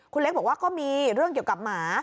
คุณเล็กบอกว่าก็มีเรื่องเกี่ยวกับหมา